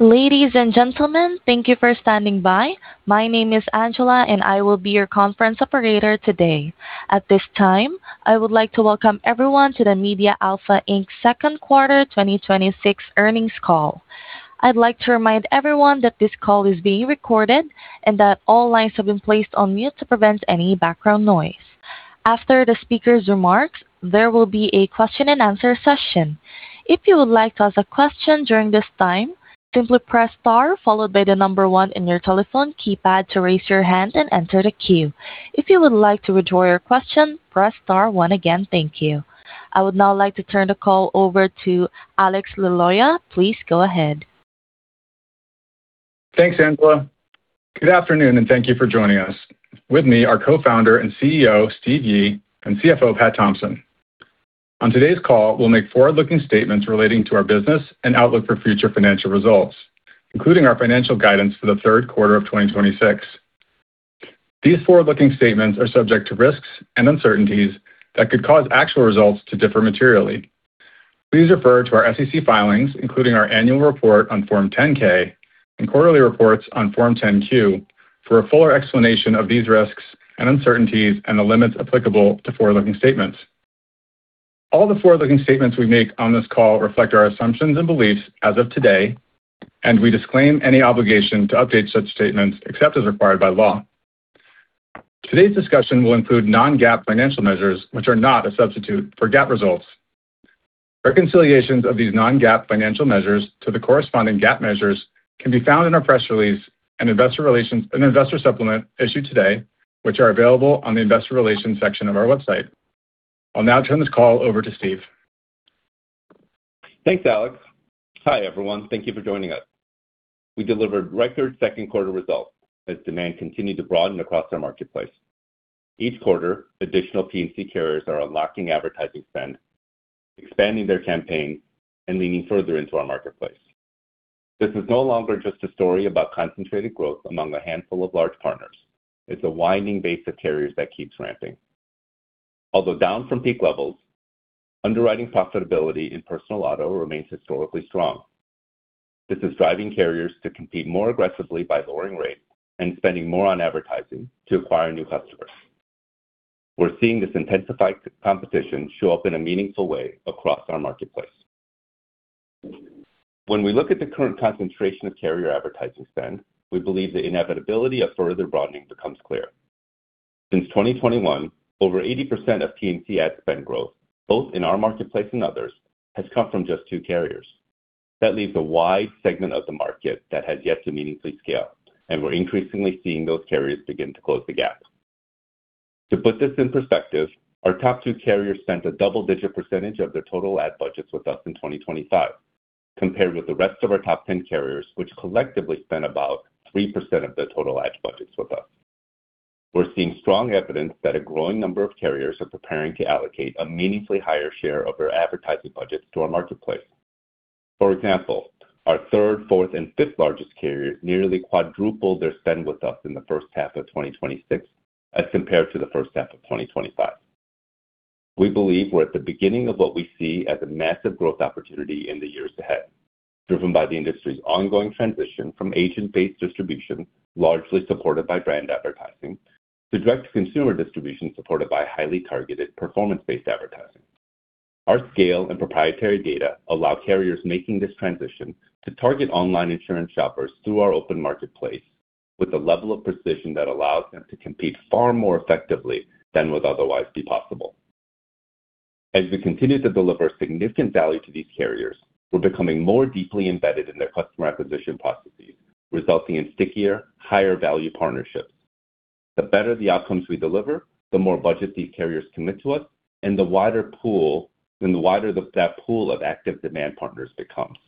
Ladies and gentlemen, thank you for standing by. My name is Angela, and I will be your conference operator today. At this time, I would like to welcome everyone to MediaAlpha Inc.'s second quarter 2026 earnings call. I would like to remind everyone that this call is being recorded, and that all lines have been placed on mute to prevent any background noise. After the speaker's remarks, there will be a question and answer session. If you would like to ask a question during this time, simply press star, followed by the number one on your telephone keypad to raise your hand and enter the queue. If you would like to withdraw your question, press star one again. Thank you. I would now like to turn the call over to Alex Liloia. Please go ahead. Thanks, Angela. Good afternoon. Thank you for joining us. With me, our Co-Founder and CEO, Steve Yi, and CFO, Pat Thompson. On today's call, we will make forward-looking statements relating to our business and outlook for future financial results, including our financial guidance for the third quarter of 2026. These forward-looking statements are subject to risks and uncertainties that could cause actual results to differ materially. Please refer to our SEC filings, including our annual report on Form 10-K and quarterly reports on Form 10-Q, for a fuller explanation of these risks and uncertainties and the limits applicable to forward-looking statements. All the forward-looking statements we make on this call reflect our assumptions and beliefs as of today. We disclaim any obligation to update such statements except as required by law. Today's discussion will include non-GAAP financial measures, which are not a substitute for GAAP results. Reconciliations of these non-GAAP financial measures to the corresponding GAAP measures can be found in our press release and investor relations and investor supplement issued today, which are available on the investor relations section of our website. I will now turn this call over to Steve. Thanks, Alex. Hi, everyone. Thank you for joining us. We delivered record second quarter results as demand continued to broaden across our marketplace. Each quarter, additional P&C carriers are unlocking advertising spend, expanding their campaigns, and leaning further into our marketplace. This is no longer just a story about concentrated growth among a handful of large partners. It is a widening base of carriers that keeps ramping. Although down from peak levels, underwriting profitability in personal auto remains historically strong. This is driving carriers to compete more aggressively by lowering rates and spending more on advertising to acquire new customers. We are seeing this intensified competition show up in a meaningful way across our marketplace. When we look at the current concentration of carrier advertising spend, we believe the inevitability of further broadening becomes clear. Since 2021, over 80% of P&C ad spend growth, both in our marketplace and others, has come from just two carriers. That leaves a wide segment of the market that has yet to meaningfully scale, and we're increasingly seeing those carriers begin to close the gap. To put this in perspective, our top two carriers spent a double-digit percentage of their total ad budgets with us in 2025, compared with the rest of our top 10 carriers, which collectively spent about 3% of their total ad budgets with us. We're seeing strong evidence that a growing number of carriers are preparing to allocate a meaningfully higher share of their advertising budgets to our marketplace. For example, our third, fourth, and fifth largest carriers nearly quadrupled their spend with us in the first half of 2026 as compared to the first half of 2025. We believe we're at the beginning of what we see as a massive growth opportunity in the years ahead, driven by the industry's ongoing transition from agent-based distribution, largely supported by brand advertising, to direct-to-consumer distribution supported by highly targeted performance-based advertising. Our scale and proprietary data allow carriers making this transition to target online insurance shoppers through our open marketplace with a level of precision that allows them to compete far more effectively than would otherwise be possible. As we continue to deliver significant value to these carriers, we're becoming more deeply embedded in their customer acquisition processes, resulting in stickier, higher-value partnerships. The better the outcomes we deliver, the more budget these carriers commit to us, and the wider that pool of active demand partners becomes.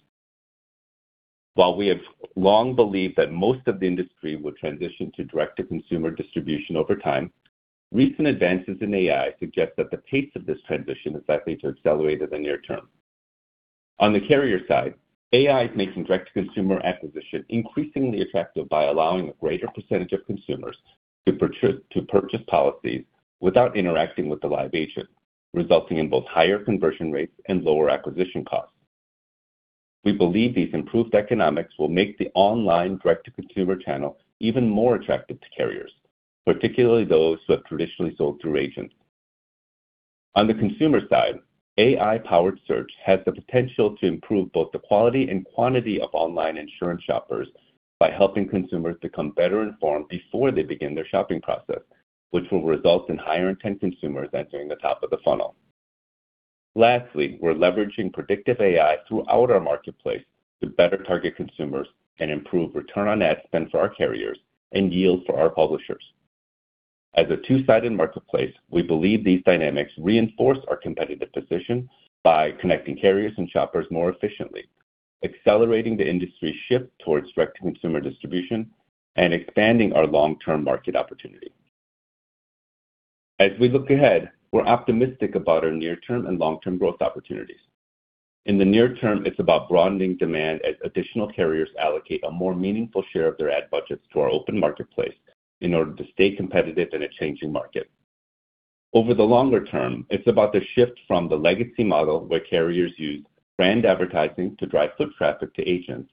While we have long believed that most of the industry will transition to direct-to-consumer distribution over time, recent advances in AI suggest that the pace of this transition is likely to accelerate in the near term. On the carrier side, AI is making direct-to-consumer acquisition increasingly attractive by allowing a greater percentage of consumers to purchase policies without interacting with a live agent, resulting in both higher conversion rates and lower acquisition costs. We believe these improved economics will make the online direct-to-consumer channel even more attractive to carriers, particularly those who have traditionally sold through agents. On the consumer side, AI-powered search has the potential to improve both the quality and quantity of online insurance shoppers by helping consumers become better informed before they begin their shopping process, which will result in higher intent consumers entering the top of the funnel. Lastly, we're leveraging predictive AI throughout our marketplace to better target consumers and improve return on ad spend for our carriers and yield for our publishers. As a two-sided marketplace, we believe these dynamics reinforce our competitive position by connecting carriers and shoppers more efficiently, accelerating the industry's shift towards direct-to-consumer distribution and expanding our long-term market opportunity. As we look ahead, we're optimistic about our near-term and long-term growth opportunities. In the near term, it's about broadening demand as additional carriers allocate a more meaningful share of their ad budgets to our open marketplace in order to stay competitive in a changing market. Over the longer term, it's about the shift from the legacy model where carriers use brand advertising to drive foot traffic to agents,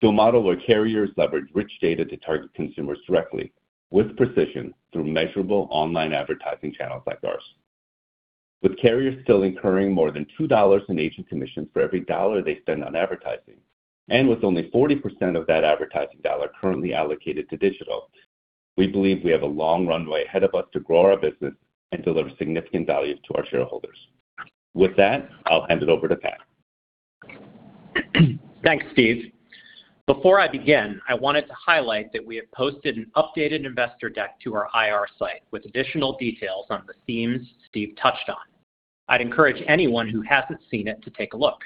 to a model where carriers leverage rich data to target consumers directly with precision through measurable online advertising channels like ours. With carriers still incurring more than $2 in agent commissions for every dollar they spend on advertising, and with only 40% of that advertising dollar currently allocated to digital, we believe we have a long runway ahead of us to grow our business and deliver significant value to our shareholders. With that, I'll hand it over to Pat. Thanks, Steve. Before I begin, I wanted to highlight that we have posted an updated investor deck to our IR site with additional details on the themes Steve touched on. I'd encourage anyone who hasn't seen it to take a look.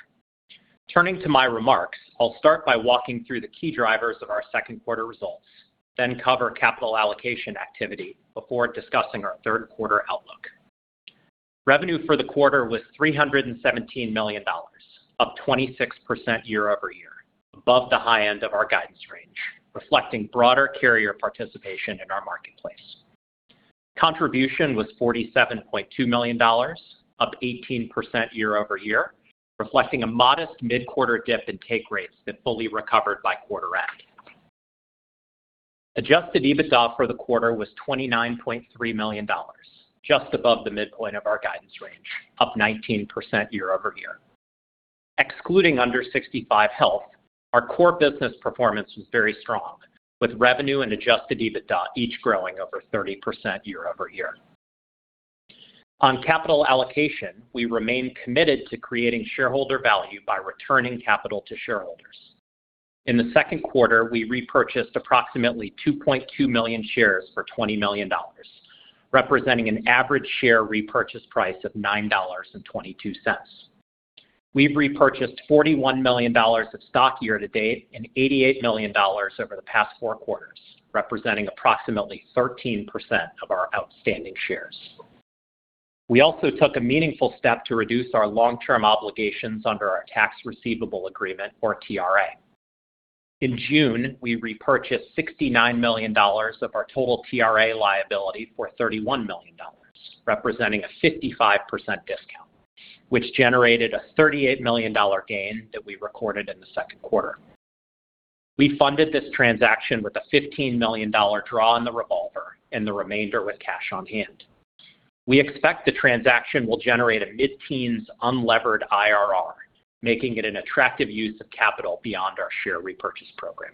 Turning to my remarks, I'll start by walking through the key drivers of our second quarter results, then cover capital allocation activity before discussing our third quarter outlook. Revenue for the quarter was $317 million, up 26% year-over-year, above the high end of our guidance range, reflecting broader carrier participation in our marketplace. Contribution was $47.2 million, up 18% year-over-year, reflecting a modest mid-quarter dip in take rates that fully recovered by quarter end. Adjusted EBITDA for the quarter was $29.3 million, just above the midpoint of our guidance range, up 19% year-over-year. Excluding Under-65 Health, our core business performance was very strong, with revenue and adjusted EBITDA each growing over 30% year-over-year. On capital allocation, we remain committed to creating shareholder value by returning capital to shareholders. In the second quarter, we repurchased approximately 2.2 million shares for $20 million, representing an average share repurchase price of $9.22. We've repurchased $41 million of stock year to date and $88 million over the past four quarters, representing approximately 13% of our outstanding shares. We also took a meaningful step to reduce our long-term obligations under our tax receivable agreement or TRA. In June, we repurchased $69 million of our total TRA liability for $31 million, representing a 55% discount, which generated a $38 million gain that we recorded in the second quarter. We funded this transaction with a $15 million draw on the revolver and the remainder with cash on hand. We expect the transaction will generate a mid-teens unlevered IRR, making it an attractive use of capital beyond our share repurchase program.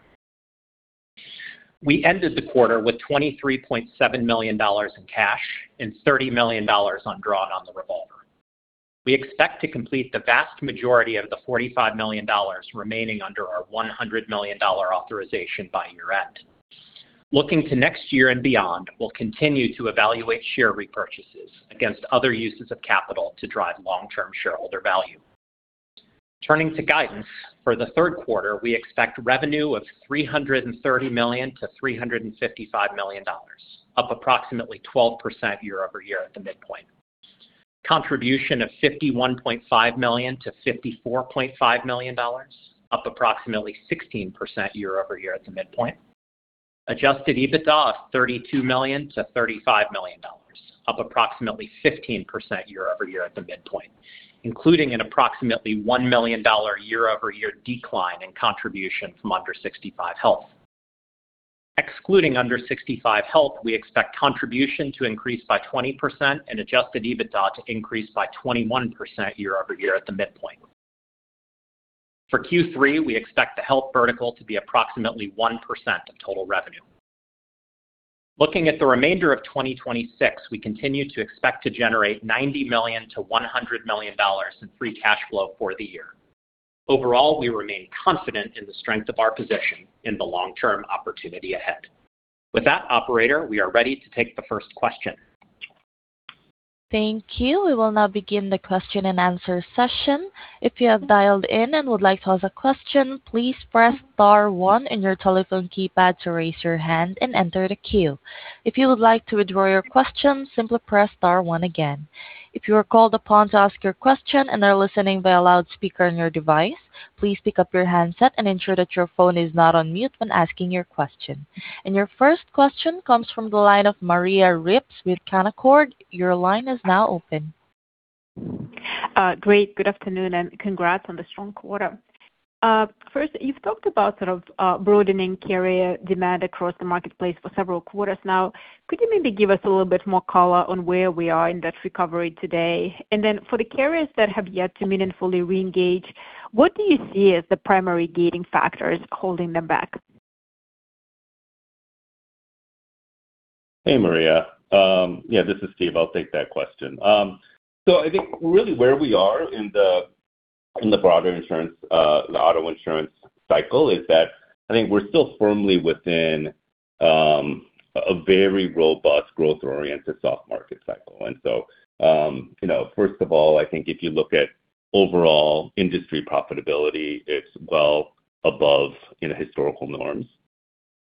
We ended the quarter with $23.7 million in cash and $30 million undrawn on the revolver. We expect to complete the vast majority of the $45 million remaining under our $100 million authorization by year-end. Looking to next year and beyond, we'll continue to evaluate share repurchases against other uses of capital to drive long-term shareholder value. Turning to guidance, for the third quarter, we expect revenue of $330 million-$355 million, up approximately 12% year-over-year at the midpoint. Contribution of $51.5 million-$54.5 million, up approximately 16% year-over-year at the midpoint. Adjusted EBITDA of $32 million-$35 million, up approximately 15% year-over-year at the midpoint, including an approximately $1 million year-over-year decline in contribution from Under-65 Health. Excluding Under-65 Health, we expect contribution to increase by 20% and Adjusted EBITDA to increase by 21% year-over-year at the midpoint. For Q3, we expect the health vertical to be approximately 1% of total revenue. Looking at the remainder of 2026, we continue to expect to generate $90 million-$100 million in free cash flow for the year. Overall, we remain confident in the strength of our position in the long-term opportunity ahead. With that operator, we are ready to take the first question. Thank you. We will now begin the question and answer session. If you have dialed in and would like to ask a question, please press star one on your telephone keypad to raise your hand and enter the queue. If you would like to withdraw your question, simply press star one again. If you are called upon to ask your question and are listening by a loudspeaker on your device, please pick up your handset and ensure that your phone is not on mute when asking your question. Your first question comes from the line of Maria Ripps with Canaccord. Your line is now open. Great, good afternoon, and congrats on the strong quarter. First, you've talked about sort of broadening carrier demand across the marketplace for several quarters now. Could you maybe give us a little bit more color on where we are in that recovery today? Then for the carriers that have yet to meaningfully reengage, what do you see as the primary gating factors holding them back? Hey, Maria. Yeah, this is Steve. I'll take that question. I think really where we are in the broader auto insurance cycle is that I think we're still firmly within a very robust growth-oriented soft market cycle. First of all, I think if you look at overall industry profitability, it's well above historical norms.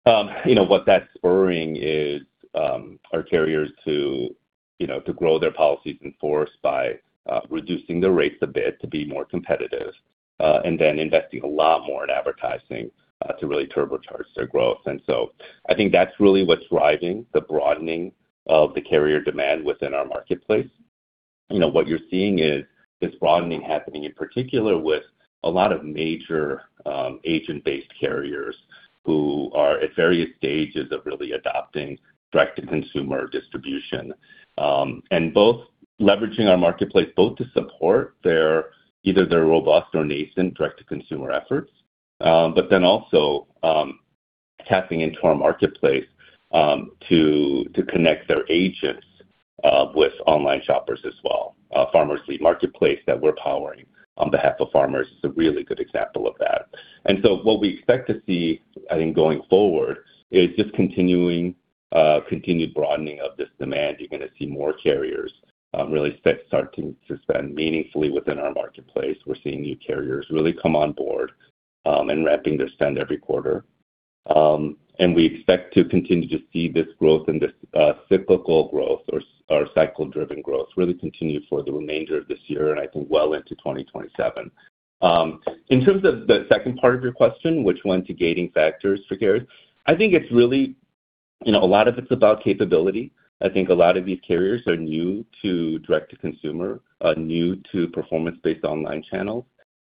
What that's spurring is our carriers to grow their policies in force by reducing their rates a bit to be more competitive. Then investing a lot more in advertising to really turbocharge their growth. I think that's really what's driving the broadening of the carrier demand within our marketplace. What you're seeing is this broadening happening in particular with a lot of major agent-based carriers who are at various stages of really adopting direct-to-consumer distribution. Leveraging our marketplace both to support either their robust or nascent direct-to-consumer efforts, but then also tapping into our marketplace to connect their agents with online shoppers as well. Farmers Marketplace that we're powering on behalf of Farmers is a really good example of that. What we expect to see, I think going forward, is just continued broadening of this demand. You're going to see more carriers really start to spend meaningfully within our marketplace. We're seeing new carriers really come on board and ramping their spend every quarter. We expect to continue to see this growth and this cyclical growth or cycle-driven growth really continue for the remainder of this year and I think well into 2027. In terms of the second part of your question, which went to gating factors for carriers, I think a lot of it's about capability. I think a lot of these carriers are new to direct to consumer, new to performance-based online channels,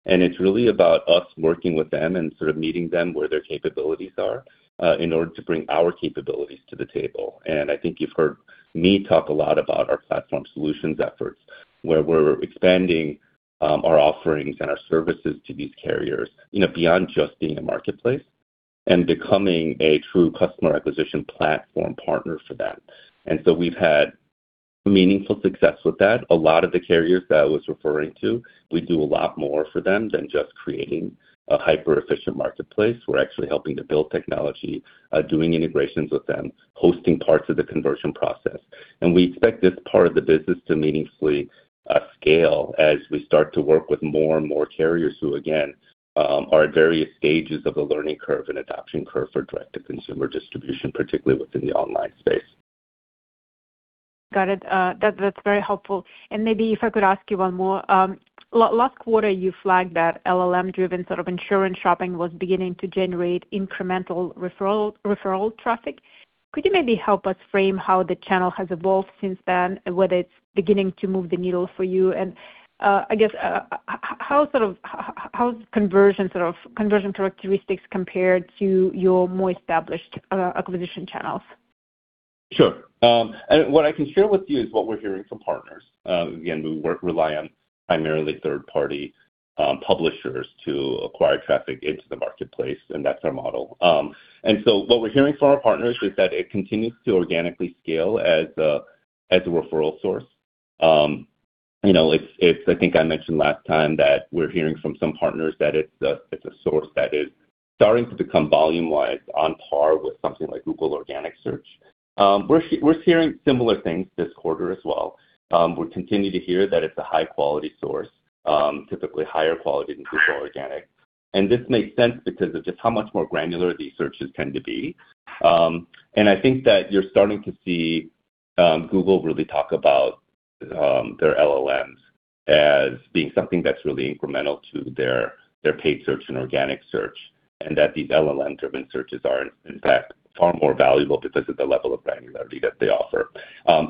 and it's really about us working with them and sort of meeting them where their capabilities are in order to bring our capabilities to the table. I think you've heard me talk a lot about our platform solutions efforts, where we're expanding our offerings and our services to these carriers beyond just being a marketplace and becoming a true customer acquisition platform partner for them. We've had meaningful success with that. A lot of the carriers that I was referring to, we do a lot more for them than just creating a hyper-efficient marketplace. We're actually helping to build technology, doing integrations with them, hosting parts of the conversion process. We expect this part of the business to meaningfully scale as we start to work with more and more carriers who, again, are at various stages of the learning curve and adoption curve for direct-to-consumer distribution, particularly within the online space. Got it. That's very helpful. Maybe if I could ask you one more. Last quarter you flagged that LLM-driven sort of insurance shopping was beginning to generate incremental referral traffic. Could you maybe help us frame how the channel has evolved since then, whether it's beginning to move the needle for you and, I guess, how sort of conversion characteristics compare to your more established acquisition channels? Sure. What I can share with you is what we're hearing from partners. Again, we rely on primarily third-party publishers to acquire traffic into the marketplace, and that's our model. What we're hearing from our partners is that it continues to organically scale as a referral source. I think I mentioned last time that we're hearing from some partners that it's a source that is starting to become volume-wise on par with something like Google Organic Search. We're hearing similar things this quarter as well. We continue to hear that it's a high-quality source, typically higher quality than Google Organic. This makes sense because of just how much more granular these searches tend to be. I think that you're starting to see Google really talk about their LLMs as being something that's really incremental to their paid search and organic search, and that these LLM-driven searches are in fact far more valuable because of the level of granularity that they offer.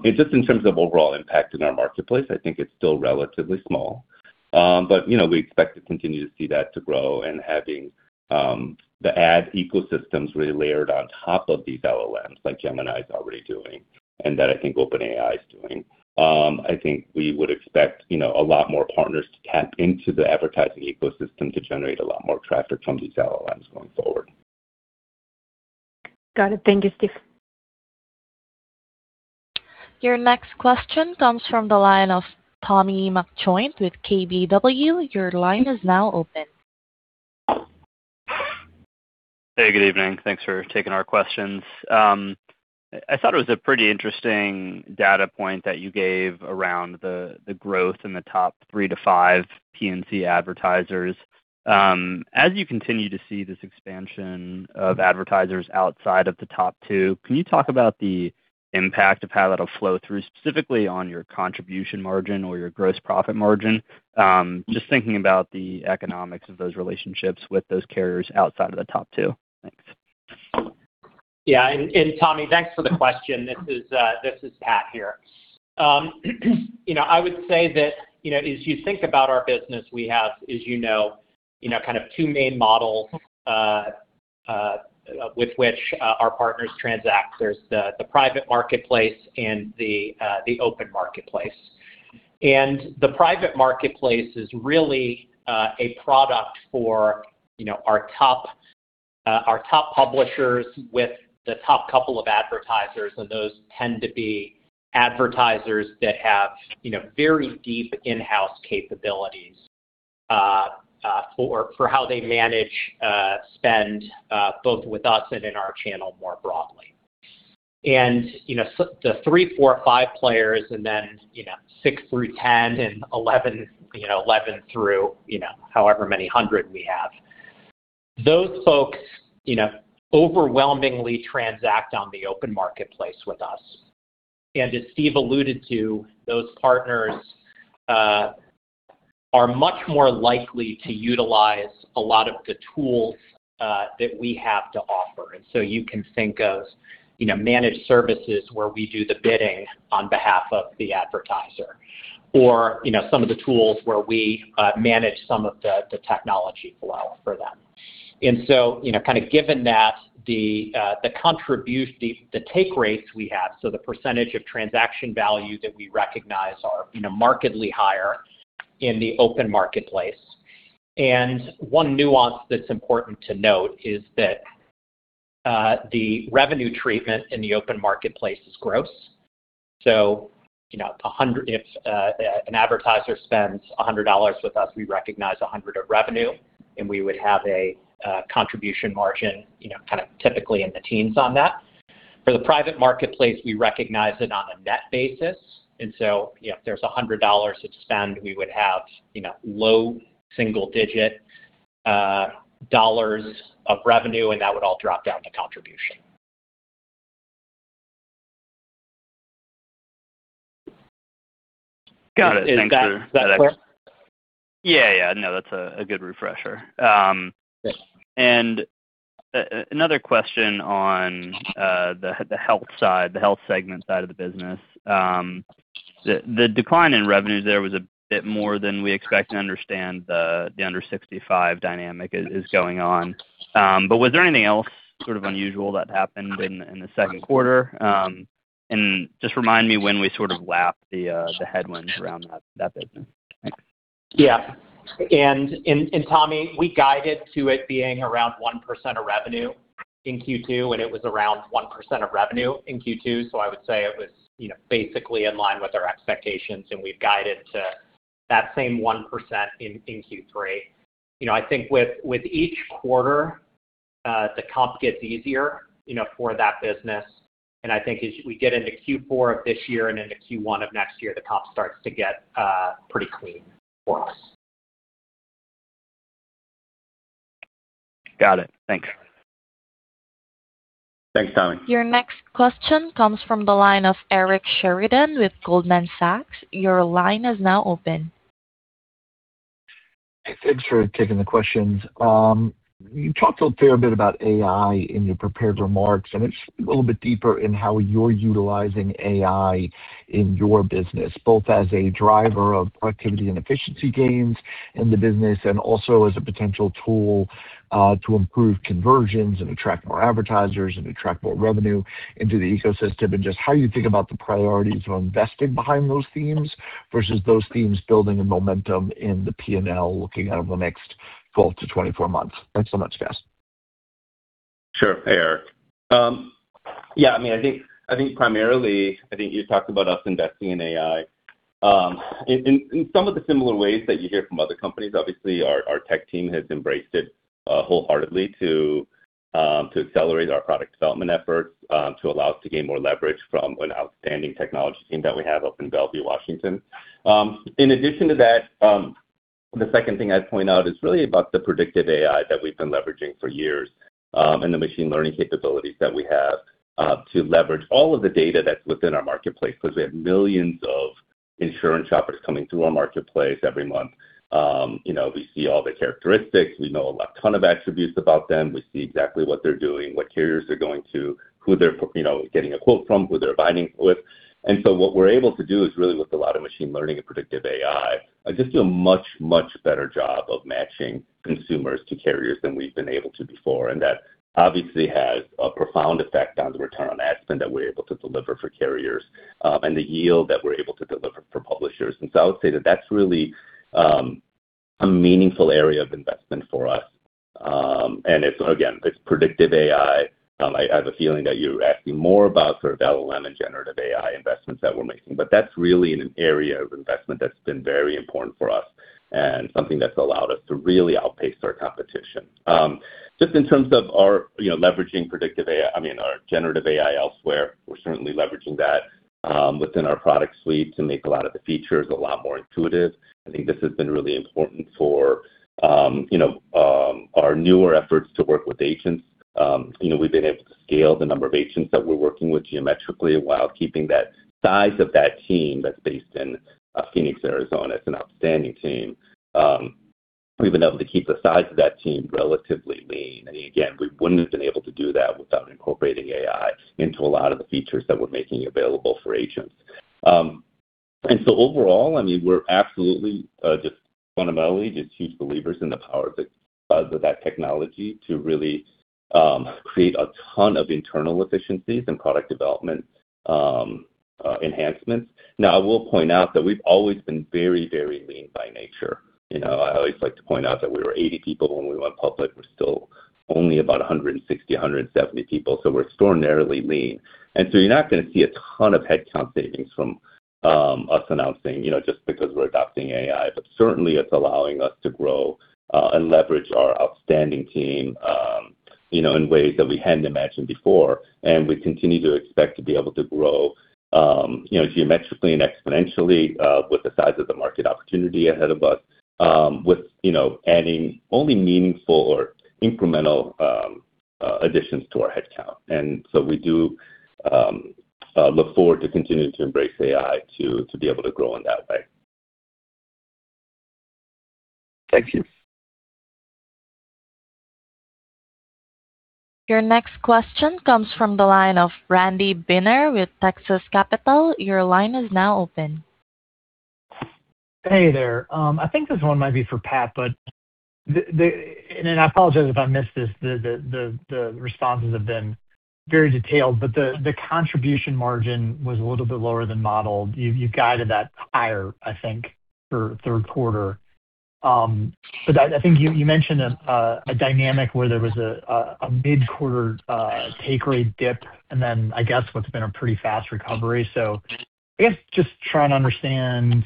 Just in terms of overall impact in our marketplace, I think it's still relatively small. We expect to continue to see that to grow and having the ad ecosystems really layered on top of these LLMs, like Gemini is already doing and that I think OpenAI is doing. I think we would expect a lot more partners to tap into the advertising ecosystem to generate a lot more traffic from these LLMs going forward. Got it. Thank you, Steve. Your next question comes from the line of Tommy McJoynt with KBW. Your line is now open. Hey, good evening. Thanks for taking our questions. I thought it was a pretty interesting data point that you gave around the growth in the top three to five P&C advertisers. As you continue to see this expansion of advertisers outside of the top two, can you talk about the impact of how that'll flow through, specifically on your contribution margin or your gross profit margin? Just thinking about the economics of those relationships with those carriers outside of the top two. Thanks. Yeah. Tommy, thanks for the question. This is Pat here. I would say that as you think about our business, we have, as you know, kind of two main models with which our partners transact. There's the private marketplace and the open marketplace. The private marketplace is really a product for our top publishers with the top couple of advertisers, and those tend to be advertisers that have very deep in-house capabilities for how they manage spend both with us and in our channel more broadly. The three, four, five players and then six through 10 and 11 through however many 100 we have Those folks overwhelmingly transact on the open marketplace with us. As Steve alluded to, those partners are much more likely to utilize a lot of the tools that we have to offer. You can think of managed services where we do the bidding on behalf of the advertiser, or some of the tools where we manage some of the technology flow for them. Given that the take rates we have, so the percentage of transaction value that we recognize are markedly higher in the open marketplace. One nuance that's important to note is that the revenue treatment in the open marketplace is gross. If an advertiser spends $100 with us, we recognize $100 of revenue, and we would have a contribution margin typically in the teens on that. For the private marketplace, we recognize it on a net basis. If there's $100 of spend, we would have low single-digit dollars of revenue, and that would all drop down to contribution. Got it. Thanks for that. Is that clear? Yeah. No, that's a good refresher. Great. Another question on the health segment side of the business. The decline in revenues there was a bit more than we expect and understand the Under-65 dynamic is going on. Was there anything else sort of unusual that happened in the second quarter? Just remind me when we sort of lap the headwinds around that business. Thanks. Yeah. Tommy, we guided to it being around 1% of revenue in Q2, and it was around 1% of revenue in Q2. I would say it was basically in line with our expectations, and we've guided to that same 1% in Q3. I think with each quarter, the comp gets easier for that business. I think as we get into Q4 of this year and into Q1 of next year, the comp starts to get pretty clean for us. Got it. Thanks. Thanks, Tommy. Your next question comes from the line of Eric Sheridan with Goldman Sachs. Your line is now open. Thanks for taking the questions. You talked a fair bit about AI in your prepared remarks, and it's a little bit deeper in how you're utilizing AI in your business, both as a driver of productivity and efficiency gains in the business, and also as a potential tool to improve conversions and attract more advertisers and attract more revenue into the ecosystem, and just how you think about the priorities of investing behind those themes versus those themes building a momentum in the P&L looking out over the next 12-24 months. Thanks so much, guys. Sure, Eric. I think primarily, I think you talked about us investing in AI. In some of the similar ways that you hear from other companies, obviously, our tech team has embraced it wholeheartedly to accelerate our product development efforts, to allow us to gain more leverage from an outstanding technology team that we have up in Bellevue, Washington. In addition to that, the second thing I'd point out is really about the predictive AI that we've been leveraging for years, and the machine learning capabilities that we have to leverage all of the data that's within our marketplace, because we have millions of insurance shoppers coming through our marketplace every month. We see all the characteristics. We know a ton of attributes about them. We see exactly what they're doing, what carriers they're going to, who they're getting a quote from, who they're binding with. What we're able to do is really with a lot of machine learning and predictive AI, just do a much, much better job of matching consumers to carriers than we've been able to before. That obviously has a profound effect on the return on ad spend that we're able to deliver for carriers and the yield that we're able to deliver for publishers. I would say that that's really a meaningful area of investment for us. Again, it's predictive AI. I have a feeling that you're asking more about sort of LLM and generative AI investments that we're making. That's really an area of investment that's been very important for us and something that's allowed us to really outpace our competition. Just in terms of our generative AI elsewhere, we're certainly leveraging that within our product suite to make a lot of the features a lot more intuitive. I think this has been really important for our newer efforts to work with agents. We've been able to scale the number of agents that we're working with geometrically while keeping that size of that team that's based in Phoenix, Arizona. It's an outstanding team. We've been able to keep the size of that team relatively lean. Again, we wouldn't have been able to do that without incorporating AI into a lot of the features that we're making available for agents. Overall, we're absolutely just fundamentally just huge believers in the power of that technology to really create a ton of internal efficiencies and product development enhancements. Now, I will point out that we've always been very, very lean by nature. I always like to point out that we were 80 people when we went public. We're still only about 160, 170 people, so we're extraordinarily lean. You're not going to see a ton of headcount savings from us announcing just because we're adopting AI. Certainly, it's allowing us to grow and leverage our outstanding team in ways that we hadn't imagined before. We continue to expect to be able to grow geometrically and exponentially with the size of the market opportunity ahead of us, with adding only meaningful or incremental additions to our headcount. We do look forward to continuing to embrace AI to be able to grow in that way. Thank you. Your next question comes from the line of Randy Binner with Texas Capital. Your line is now open. Hey there. I think this one might be for Pat, and I apologize if I missed this, the responses have been very detailed, the contribution margin was a little bit lower than modeled. You've guided that higher, I think, for third quarter. I think you mentioned a dynamic where there was a mid-quarter take rate dip and then I guess what's been a pretty fast recovery. I guess just trying to understand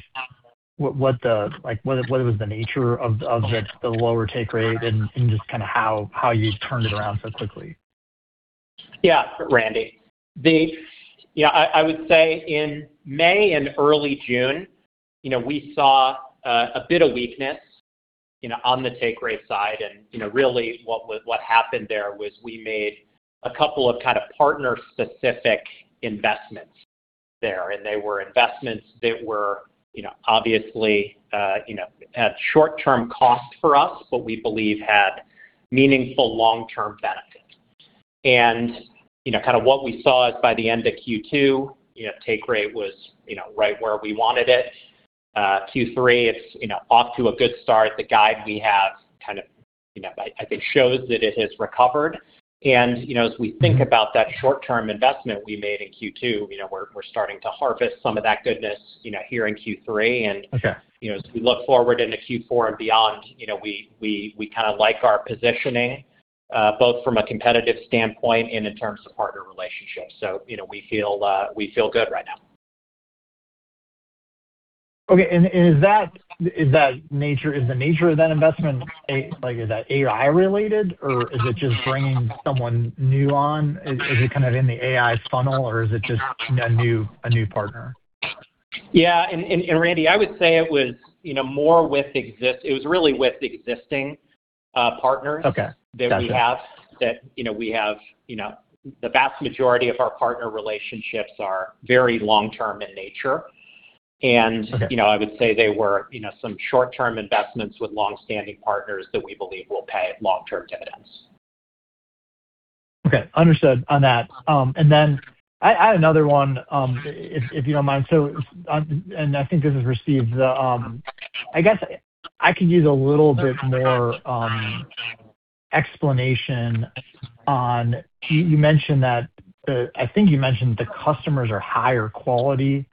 what was the nature of the lower take rate and just how you turned it around so quickly. Yeah, Randy. I would say in May and early June, we saw a bit of weakness on the take rate side. Really what happened there was we made a couple of kind of partner-specific investments there, and they were investments that obviously, had short-term costs for us, but we believe had meaningful long-term benefits. Kind of what we saw is by the end of Q2, take rate was right where we wanted it. Q3, it's off to a good start. The guide we have I think shows that it has recovered. As we think about that short-term investment we made in Q2, we're starting to harvest some of that goodness here in Q3. Okay. As we look forward into Q4 and beyond, we kind of like our positioning, both from a competitive standpoint and in terms of partner relationships. We feel good right now. Okay. Is the nature of that investment, is that AI related, or is it just bringing someone new on? Is it kind of in the AI funnel, or is it just a new partner? Yeah. Randy, I would say it was really with existing partners. Okay. Got you. that we have. The vast majority of our partner relationships are very long-term in nature. Okay. I would say they were some short-term investments with longstanding partners that we believe will pay long-term dividends. Okay. Understood on that. Then I had another one, if you don't mind. I think this was received. I guess I could use a little bit more explanation. I think you mentioned the customers are higher quality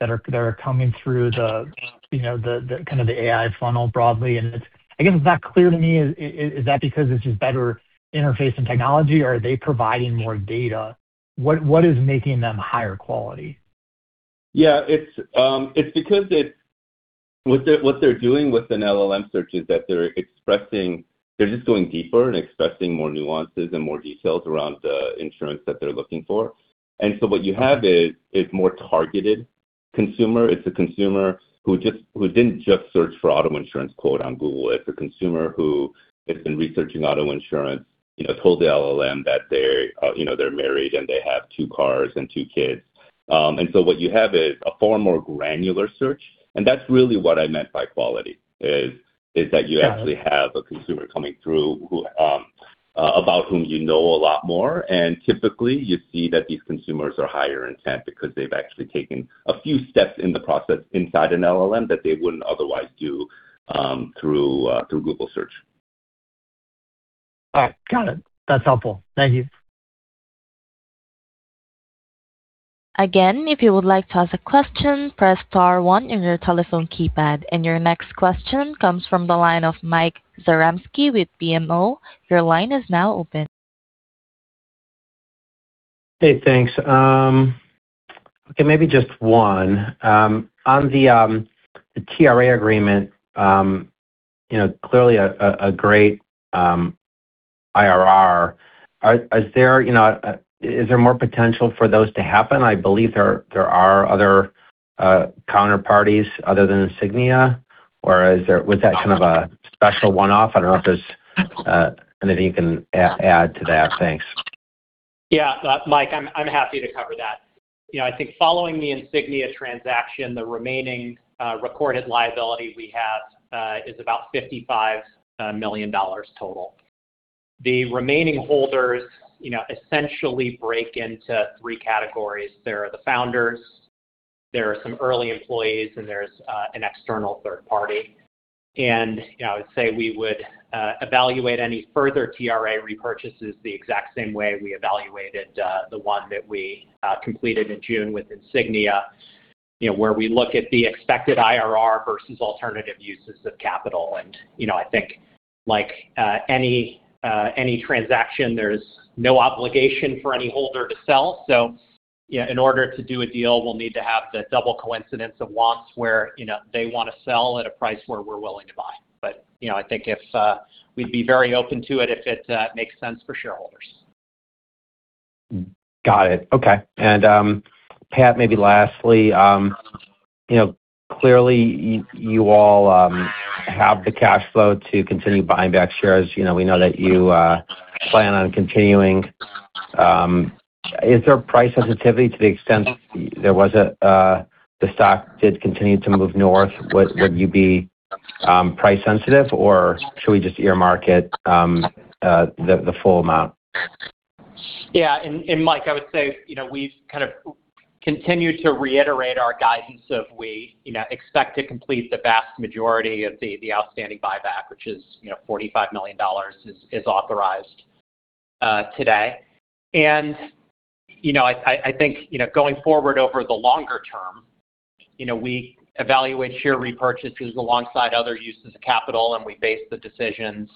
that are coming through the AI funnel broadly, and I guess it's not clear to me. Is that because it's just better interface and technology, or are they providing more data? What is making them higher quality? Yeah. It's because what they're doing with an LLM search is that they're just going deeper and expressing more nuances and more details around the insurance that they're looking for. So what you have is more targeted consumer. It's a consumer who didn't just search for auto insurance quote on Google. It's a consumer who has been researching auto insurance, told the LLM that they're married and they have two cars and two kids. So what you have is a far more granular search. That's really what I meant by quality, is that you actually have a consumer coming through about whom you know a lot more. Typically, you see that these consumers are higher intent because they've actually taken a few steps in the process inside an LLM that they wouldn't otherwise do through Google search. All right. Got it. That's helpful. Thank you. Again, if you would like to ask a question, press star one on your telephone keypad. Your next question comes from the line of Mike Zaremski with BMO Capital Markets. Your line is now open. Hey, thanks. Maybe just one. On the TRA agreement, clearly a great IRR. Is there more potential for those to happen? I believe there are other counterparties other than Insignia, or was that kind of a special one-off? I don't know if there's anything you can add to that. Thanks. Mike, I'm happy to cover that. I think following the Insignia transaction, the remaining recorded liability we have is about $55 million total. The remaining holders essentially break into three categories. There are the founders, there are some early employees, and there's an external third party. I would say we would evaluate any further TRA repurchases the exact same way we evaluated the one that we completed in June with Insignia Capital Group, where we look at the expected IRR versus alternative uses of capital. I think like any transaction, there's no obligation for any holder to sell. In order to do a deal, we'll need to have the double coincidence of wants where they want to sell at a price where we're willing to buy. I think we'd be very open to it if it makes sense for shareholders. Got it. Okay. Pat, maybe lastly, clearly you all have the cash flow to continue buying back shares. We know that you plan on continuing. Is there a price sensitivity to the extent the stock did continue to move north? Would you be price sensitive or should we just earmark it the full amount? Yeah. Mike, I would say, we've kind of continued to reiterate our guidance of we expect to complete the vast majority of the outstanding buyback, which is $45 million is authorized today. I think going forward over the longer term, we evaluate share repurchases alongside other uses of capital, and we base the decisions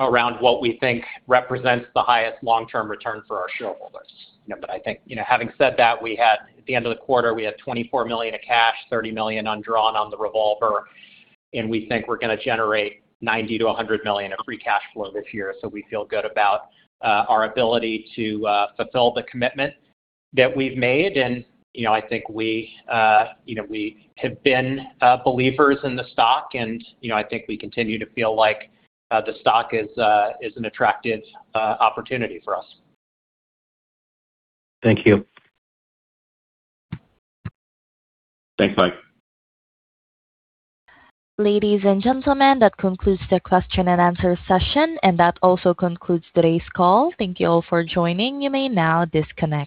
around what we think represents the highest long-term return for our shareholders. I think, having said that, at the end of the quarter, we had $24 million of cash, $30 million undrawn on the revolver, and we think we're going to generate $90 million-$100 million of free cash flow this year. We feel good about our ability to fulfill the commitment that we've made, and I think we have been believers in the stock, and I think we continue to feel like the stock is an attractive opportunity for us. Thank you. Thanks, Mike. Ladies and gentlemen, that concludes the question and answer session, and that also concludes today's call. Thank you all for joining. You may now disconnect.